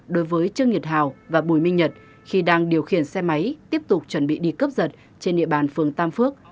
đối với trương nhật hào và bùi minh nhật khi đang điều khiển xe máy tiếp tục chuẩn bị đi cướp giật trên địa bàn phường tam phước